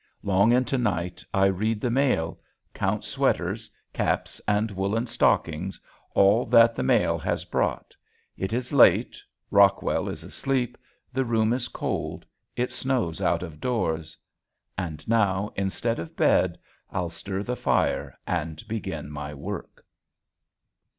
Long into night I read the mail, count sweaters, caps, and woolen stockings, all that the mail has brought. It is late, Rockwell is asleep, the room is cold, it snows out of doors.... And now instead of bed I'll stir the fire and begin my work.